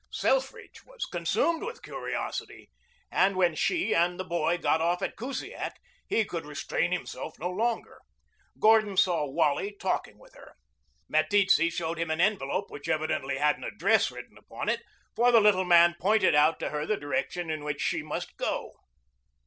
Selfridge was consumed with curiosity, and when she and the boy got off at Kusiak, he could restrain himself no longer. Gordon saw Wally talking with her. Meteetse showed him an envelope which evidently had an address written upon it, for the little man pointed out to her the direction in which she must go.